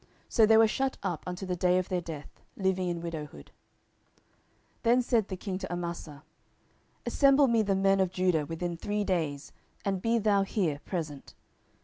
So they were shut up unto the day of their death, living in widowhood. 10:020:004 Then said the king to Amasa, Assemble me the men of Judah within three days, and be thou here present.